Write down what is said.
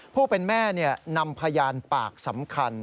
ผู้เป็นแม่นำพยานปากสำคัญ